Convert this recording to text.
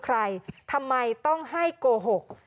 ทำไมต้องให้โกหก